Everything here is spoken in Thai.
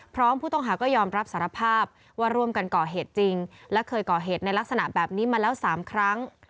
พร้อมผู้ต้องหาก็ยอมรับสารภาพว่าร่วมกันก่อเหตุจริงและเคยก่อเหตุในลักษณะแบบนี้มาแล้ว๓ครั้ง